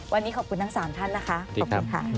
วันนี้ขอบคุณทั้ง๓ท่านนะคะ